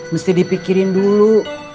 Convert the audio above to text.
mesti dipikirin dulu